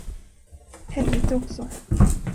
Helvete också!